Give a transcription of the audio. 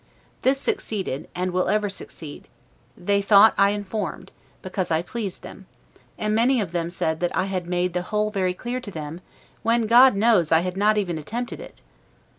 This succeeded, and ever will succeed; they thought I informed, because I pleased them; and many of them said that I had made the whole very clear to them; when, God knows, I had not even attempted it.